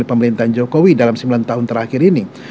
pemerintahan jokowi dalam sembilan tahun terakhir ini